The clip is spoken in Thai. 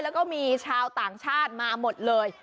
แล้วก็มีชาวต่างชาติมาหมดเลย